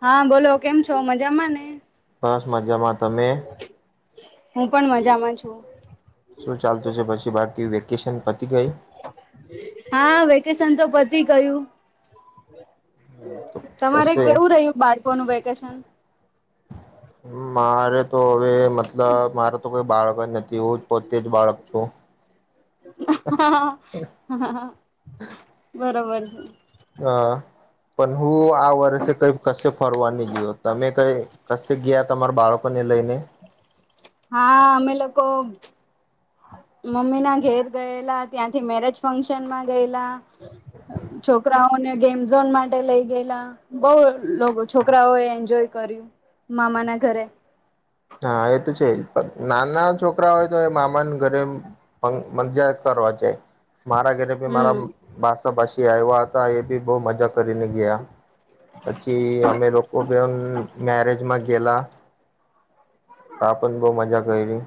હા બોલો, કેમ છો? મજામાં ને? બસ મજામાં. તમે? હું પણ મજામાં છું. શું ચાલતું છે પછી બાકી વે વેકેશન પતી ગયું? કેશન તો પતિ ગયું. તમારે કશે કેવું રહ્યું બાળકોનું વેકેશન? મારે તો હવે મતલબ મારે કોઈ બાળક જ નથ જે હું પોતે જ બાળક છું. [inaudible] હા પણ હું આ વર્ષે કઈ કશે ફરવા ન ગયો તમે કઈ કશે ગયા તમારા બાળકોને લઈને હા અમે લોકો મમ્મી ના ઘેર ગયેલા ત્યાંથી મેરેજ ફંક્શન માં ગયેલા. છોકરા ઓ. ગેમઝોન માટે લઈ ગયેલા બઉ છોકરાઓ એન્જોય કર્યું મામા ના ઘરે હા એ તો છે જ પણ નાના છોકરા હોય તો એ મામાને ઘરે મજજા કરવા જાય મારા ઘરે ભી મારા હમ માસા માસી આવ્યા હતા એ બી બહુ મજા કરીને ગયા પછી અમે લોકો પણ મેરેજમાં ગેલા હ પણ બહુ મજા કરી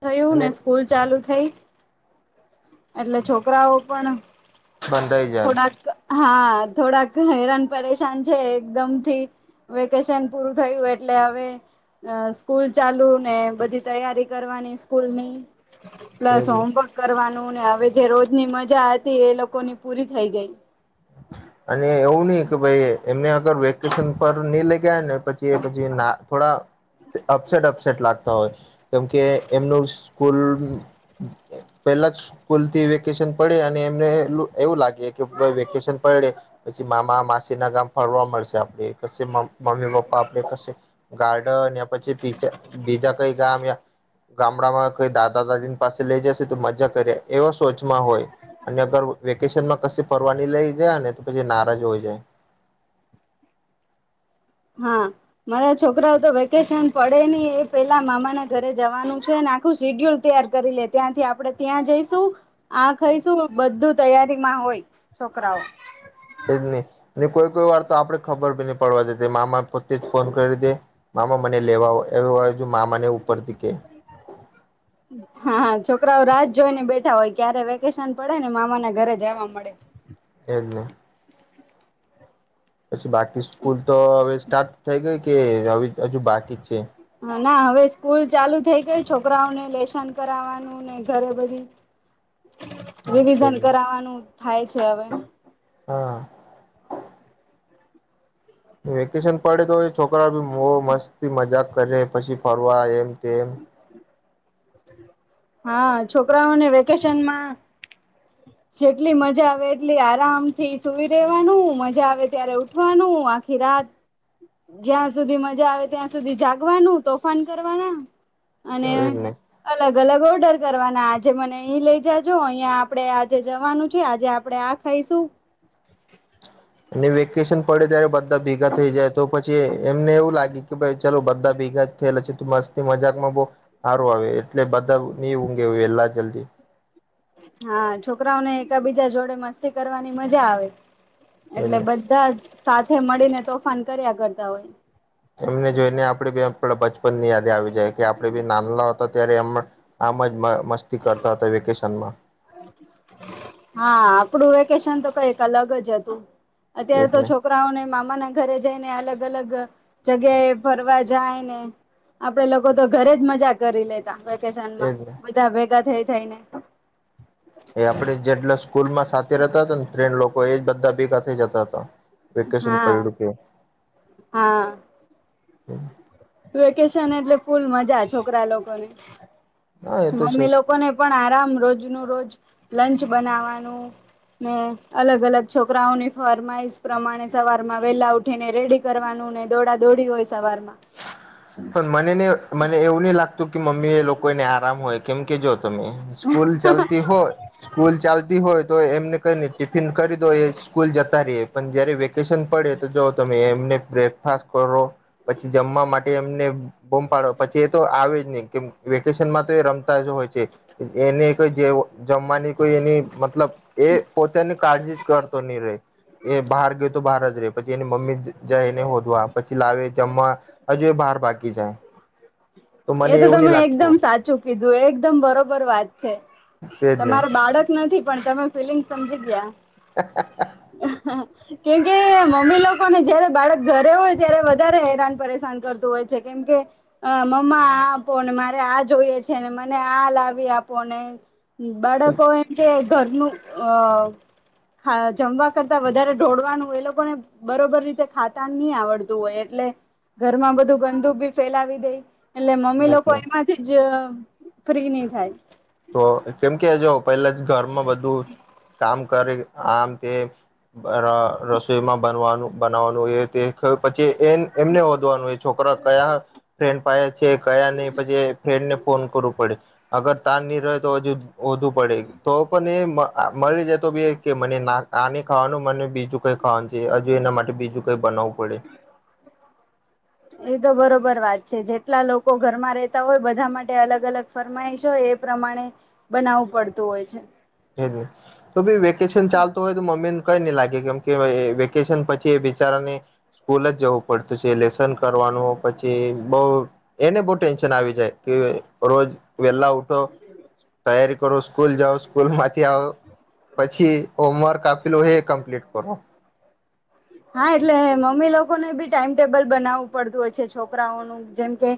થયું અને ને સ્કૂલ ચાલુ થઈ એટલે છોકરાઓ પણ. બંધ થઈ જાય થોડાક હા થોડાક હેરાન પરેશાન છે એકદમ થી વેકેશન પૂરું થયું એટલે હવે સ્કૂલ ચાલુ ને બધી તૈયારી કરવાની સ્કૂલ ની પ્લસ જાય હોમવર્ક કરવાનું નો ને હવે જે રોજની મજા હતી એ લોકોની પૂરી થઈ ગઈ અને એવું નઈ કે ભાઈ એમને અગર વેકેશન પર લઈ ગયા ને પછી પછી ના થોડા અપસેટ અપસેટ લાગતા હોય કેમ કે એમનું સ્કૂલ પેલા જ સ્કૂલ થી વેકેશન પડે અને એમને એવું લાગે કે વેકેશન પડે પછી મામા માસી ના ગામ ફરવા મળશે આપડે ક મમ્મી પપ્પા આપે કશીક ગાર્ડન યા પછી બીજા કઈ ગામયા ગામડામાં કઈ દાદા દાદીની પાસે લઈ જશે તો મજા કરી એ એવા સોચમાં હોય અને અગર વેકેશનમાં કસીક ફરવાની લઈ જાય ને તો પછી નારાજ હોય જાય હા મારા છોકરાઓ તો વેકેશન પડે નહી એ પેલા મામાના ઘરે જવાનું છે આખું શેડ્યુલ તૈયાર કરી લે ત્યાંથી આપડણે ત્યાં જઈશું આ ખાઈશું બધું તૈયારીમાં હોય છોકરાઓ એજ ને કોઈ કોઈ વાર તો આપડે ખબર પડવા દેતી મામા પોતે જ ફોન કરી દે મામા મને લેવા આવો એવ હોય જો મામાને ઉપરથી કે હા હા છોકરાઓ રાહ જોઈ ને બેઠા હોય ક્યારે વેકેશન પડે ને મામાને ઘરે જવા મળે એજ ને પછી બાકી સ્કૂલ તો હવે સ્ટાર્ટ થઈ ગઈ કે હજુ બાકી જ છે હા ના હવે સ્કૂલ ચાલુ થઈ ગઈ છોકરાઓને લેશન કરાવવાનું ને ઘરે બધી એજ રિવિઝન ને. કરવાનું થાય જવે હા વેકેશન પડે તો હોય છોકરા બી બહ મસ્તતી મજાક કરે પછી ફરવા એમ તેમ હા છોકરાઓને વેકેશનમાં જેટલી મજા આવે એટલી આરામથી સુવી રેવાનું મજા આવે ત્યારે ઉઠવાનું આખી રાત જ્યાં સુધી મજા આવે ત્યાં સુધી જાગવાનું તોફાન કરવાના અને એજ ને અલગ અલગ ઓર્ડર કરવાની અને આજે મને અ લઈ જજો અહંયા આપડે આજે જવાનું છે આજે આપડે આ ખાઈશું અને વેકેશન પડે ત્યારે બધા ભેગા થઈ જાય તો પછી એમને એવું લાગે કે ભાઈ ચાલો બધા ભેગા થયેલા છે તો મસ્તી મજાક માં બહ સારું આવે એટલે બધા નહી ઊંઘે એલા જલ્દી હા છોકરાઓને એકબીજા જોડે મસ્તી કરવાની મજા આવે એટલે બધા જ સાચ મળીને તોફાન કર્યા કરતા હોય એમને જોઈને આપડે બેચ ની યાદી આવી જાય કે આપડે બી નાનલો હતો ત્યારે એમ આમ જ થી કરતા હતા વેકેશન માં હા આપડું વેકેશન તો કઈક અલગ જ હતું અત્યારે તો એજને છોકરાઓને મામાના ઘરે જઈને અલગ અલગ જગ્યા એ ફરવા જાય ને આપડે લોકો તો ઘરે જ મજા કરી લે તા વેકેશન માં એજને બધાભેગા થઈ જઈને [inaudible] એ આપડે જેટલા સ્કૂલમાં સા તે રેતા તા ને ફેન લોકો એજ બધા ભેગા થઈ જતા હતા વેકેશન હા પયડુ કે હા હમ વેકેશન એટલે ફૂલ મજા છોકરા લોકોને હા એ તો છે મમ્મી જ લોકોને પણ આરામ રોજ જ નો રોજ લંચ બનાવાનું ને અલગ અલગ છોકરાઓની ફરમાઈશ પ્રમાણે સવારમાં વેલા ઉઠીને રેડી કરવાનું ને દોડા દોડી હોય સવારમાં પણ મને નને મને એવું નહી લાગ તુ કે મમ્મી એ લોકો ને આરામ હોય કેમ કે જો તમે સ્કૂલ ચાલતી હોય સ્કૂલ ચાલતી હોય તો એમને કઈને ટિફિન કરી દો એ સ્કૂલ જતા રેએ પન જયારે વેકે કેશન પડે તો જો તમે એમને બ્રેકફાસ્ટ કરો. પછી જમવા માટે એમને બોમ પાડો પછી એ તો આવે જ નહી કેમ વેકેશનમાં તો એ રમતા જ હોય છે. એને એક જે જમવાની કોઈ એની મતલબ એ પોતાની કાળજી જ કરતો ની રેય એ બહાર ગયો તો બહાર જ રે પછી એની મમ્મી જાય એને હોધવા પછી લાવે જમવા હજુ એ બહાર ભાગી જાય એ મને તો એવું નહી તમે એકદમ લાગતું સાચું કીધું એકદમ બરોબર વાત છે. તેજ ને તમારું બાળક ન નથી પણ તમે ફિલિંગ સમજી ગયા [unintelligible] કેમ કે મમ્મી લોકોને જયારે બાળક ઘરે હોય ત્યારે વ હેરાન પરેશાન કરતું હોય છે. કેમ કે અ મમ્મા આ આપોને મારે આ જોઈએ છેને મને આ લાવી આપોને બાળકો એમ કે ઘરનું અ ખા જમવા કરતા વધારે ઢોળવાનું એ લોકોને બરોબર રીતે ખાતા ની આવડતું હોય એ એટલે ઘરમાં બધું ગંદુ બી ફેલાવી દે એટલે મમ્મી એજ લોકો ને એમાંથી જ ફ્રી નહી થાય તો કેમ કે જો પેલા જ ઘરમાં બધું કામ કરે આમ તેમ બરા રસોઈમાં બનવાનું બનાવાનું એ તે પછી એન એમને હોધવાનું હોય છોકરા કયા ફ્રેન્ડ પાહે છે કયા નહી પછી એ ફ્રેન્ડને ફોન કરું પડે અગર તાન નહી રહે તો હજુ હોધુ પડે તો પણ એ મલી જાય તો બી એ કે મને ના આની ખાવાનું મને બીજું કઈ ખાવાનું છે હજુ એના માટે બીજું કઈ બનાવું પડે. એ તો બરોબર વાત છે જેટલા લોકો ઘરમાં રહેતા હોય બધા માટે અલગ અલગ ફરમાઈશ હોય એ પ્રમાણે બનાવવું પડતું હોય છે. એવું તો બી વેકેશન ચાલતું હોય તો મમ્મીને કઈ ની લાગે કેમ કે વેકેશન પછી એ બિચારાને સ્કૂલ જ જવું પડતું છે લેસ સન કરવાનું પછી બઉ એને બહુ ટેન્શન આવી જાય કે રોજ વેલા ઉઠો તૈયારી કરો સ્કૂલ જાઓ. સ્કૂલમાંથી આવો પછી હોમવર્ક આપ પેલું હે હા એટલે મમ્મી લોક એ લોકો ને બી ટાઈમ ટેબલ બનાવવું પડતું હોય છે છોકરાઓનું જેમકે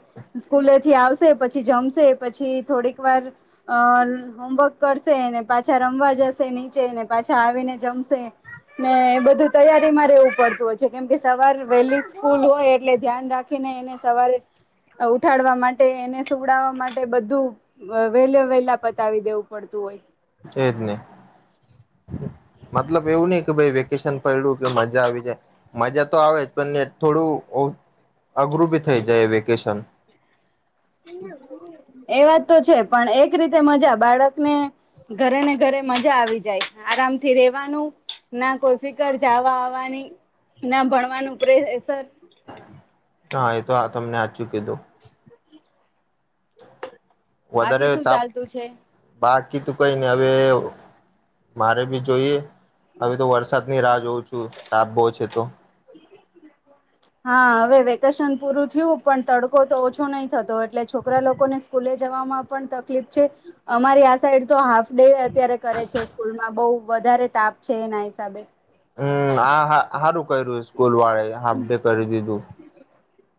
સ્કૂલે થી આવશે પછી જમશે પછી થોડીક વાર અ હોમવર્ક કરશે ને પાછા રમવા જશે નીચે પાછા આવીને જમશે ને એ બધું તૈયારીમાં રહેેવું પડતું હોય છે કેમ કે સવાર વહેલી સ્કૂલ હોય એટલે ધ્યાન રાખીને એને સવારે ઉઠાડવા માટે એને સુવડાવવા માટે બધું અ વહેલો વેલા પતાવી દેવું પડતું હોય છે જ ને મતલબ એવું નઈ કે ભઈ વેકેશન પૈંડુ કે મજા આવી જાય મજા તો આવે જ આપણને થોડું અઘરું બી થઈ જાય વેકેશન એ વાત તો છે પણ એક રીતે મજા બાળકને ઘરે ને ઘરે મજા આવી જાય આરામથી રેવાનું ના કોઈ ફિકર જાવા આવવાની ના ભણવાનું પ્રેસર હા એ તો આ તમને આચું કીધું બાકી વધાર્યો શું તાપ ચાલતું છે બાકી તું કઈની હવે મારે ભી જોઈએ હવે તો વરસાદ ની રાહ જોઉં છું તાપ બોઉ છે તો હા હવે વેકેશન પૂરું થ્યું પણ તડકો તો ઓછો નહી થતો એટલે છોકરા લોકોને સ્કૂલે જવામાં પણ તકલીફ છે અમારી આ સાઈડ તો હાફ ડે એ અત્યારે કરે છે સ્કૂલમાં બહુ વધારે તાપ છે એના હિસાબે હમ આ હા હારું કર્યું સ્કૂલ વાળાએ હાફ ડે કરી દીધું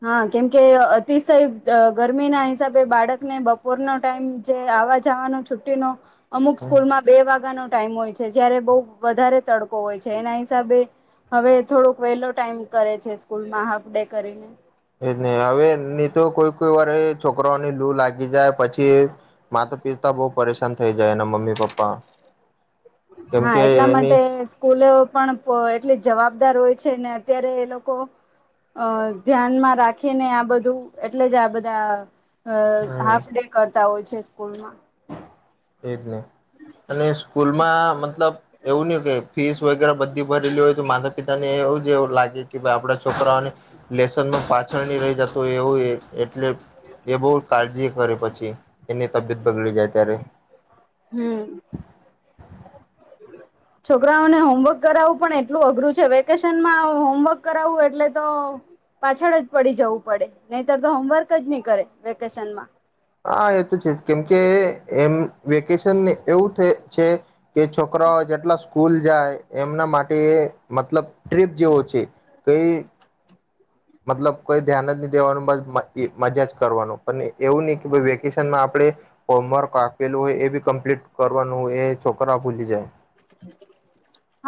હા કેમકે અતિશય અ ગરમી ના હિસાબે બાળકને બપોરનો ટાઈમ જે આવવા જવાનો છુટ્ટીનો અમુક સ્કૂલમાં બે વાગ્યાનો ટાઈમ હોય છે જયારે બહૂ વધારે તડકો હોય છે એના હિસાબે હવે થોડોક વહેલો ટાઈમ કરે છે સ્કૂલમાં હાફ ડે કરીને એ જ નહી હવે નહી તો કોઈ કોઈ વાર છોકરોની લુ લાગ લાગી જાય પછી મા પિતા બહુ પરેશાન થઈ જાય એના મ્મી પાપા હા એટલા માટે સ્કૂલે પણ એટલી જવાબદાર હોય છે ને અત્યારે એ લોકો અ ધ્યાનમાં રાખીને આ બધું એટલે જ આ બધા અ હમ હાફ ડે કરતા હોય છે કોઈમાં એજ નહી અને સ્કૂલમાં મતલબ એવું નહી કે ફીસ વગેરે બધી ભરેલી હોય તો માતા પિતા ને એવું જવું લાગે કે ભા‌ઈ આપડા છોકરાઓને લેસનમાં પાછળની રહી જતું એવું એટલે એ બહુ કાળજી કરે પછી એની તબિયત બગડી જાય ત્યારે હમ છોકરાઓને હોમવર્ક કરાવવું પણ એટલું અઘરું છે વેકેશનમાં હોમવર્ક કરાવવું એટલે તો પાછળ જ પડી જવું પડે નહીતર તો હોમવર્ક જ નહી કરે વેકેશનમાં હા એ તો છે કેમકે એમ વેકેશન એવું છે કે છોકરાઓ જેટલા સ્કૂલ જાય એમના માટે મતલબ ટ્રીપ જેવો છે કઈ મતલબ કોઈ ધ્યાન જ દેવાનું મજા જ કરવાનું પણ એવું નહી કે વેકેશનમાં આપણે હોમવર્ક આપેલું હોય એ બી કમ્પ્લીટ કરવાનું એ છોકરા ભુલી જાય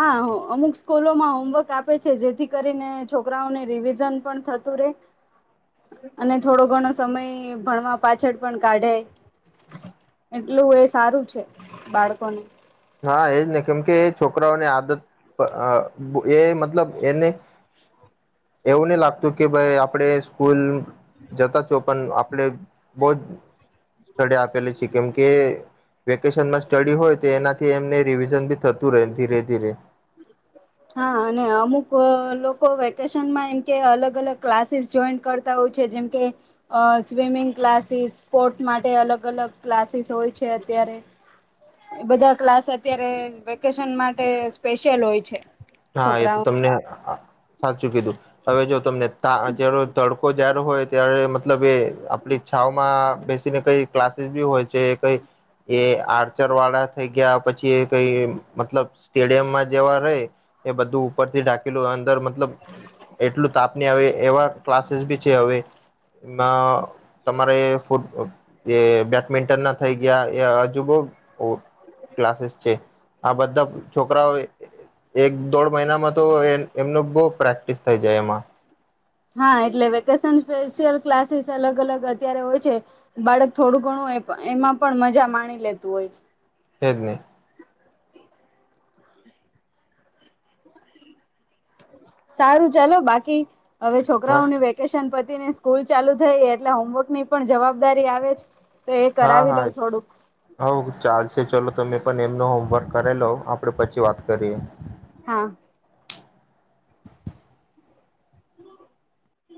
હા અમુક સ્કૂલોમાં હોમવર્ક આપે છે જેથી કરીને છોકરાઓને રિવિઝન પણ થતું રે અને થોડો ઘણો સમય ભણવા પાછળ પણ કાઢે એટલું એ સારું છે બાળકોને હા એજ નહી કેમ કે એ છોકરાઓની આદત અ એ મતલબ એને [inaudible] એવું નહી લાગતું કે ભાઈ આપણેે સ્કૂલ જતા છો પણ આપ આપડે બહ જ ડે આપેલી છે કેમ કે વેકેશનમાં સ્ટડી હોય તો એના એમને રિવિઝન બી થતું રહે ધીરે ધીરે હા અને અમુક લોકો વેકેશનમાં એમ કે અલગ અલગ ક્લાસીસ જોઈન કરતા હોય છે જેમકે અ સ્વિમિંગ ક્લાસીસ સ્પોર્ટ માટે અલગ અલગ ક્લાસીસ હોય છે અત્યારે બધા ક્લાસ અત્યારે વેકેશન માટે સ્પેશિ્યયલ હોય છે હા એ તો છોકરાઓને તમને હાચું કીધું હવે જો તમને જ તડકો જય્યારે હોય ત્યારે મતલબ એ આપડીઈ છાઓમાં બેસીને કઈ ક્લાસીસ બી હોય છે કઈ એ આર્ચરવાળા થઈ ગયા પછી કઈ મતલબ સ્ટેડિયમમાં જેવા રેય એ બધું ઉપરથી ઢાકેલું મતલબ એટલું તાપની આવે એવા ક્લાસિસ બી છેે હવે. ના તમારે ફૂટ એ બે બેટમીન્ટન ના થઈ ગયા એ હજુ બો અ ક્લાસિસ છે. આ બધા છોકરાઓએ એક દોઢ મહિનામાં તો એમનો બો પ્રેક્ટિસ થઈ જાય એમાં. હા, એટલે વેકેશન સ્પેશિયલ ક્લાસિસ અલગ અલગ અત્યારે હોય છે બાળક થોડું ઘણું એ એમાં પણ મજા માણી લેતું હોય છે. તેજ ને સારું ચાલો બાકી હવે હા છોકરાઓની વેકેશન પ પતિ ને સ્કૂલ ચાલુ થઈ એટલે હોમવર્કની પણ જવાબદારી આવેજ. હા હા, હ ચાલશે ચલો તમે પણ એમનો હોમવર્ક કરેલો આપણે પછી વાત કરીએ. હા